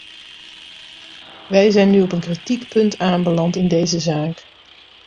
Wij zijn nu op een kritiek punt aanbeland in deze zaak.